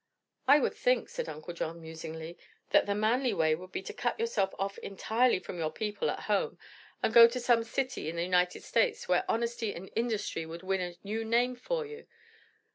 "I would think," said Uncle John musingly, "that the manly way would be to cut yourself off entirely from your people at home and go to some city in the United States where honesty and industry would win a new name for you.